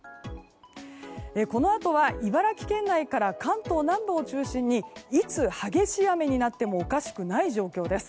このあとは茨城県内から関東南部を中心にいつ激しい雨になってもおかしくない状況です。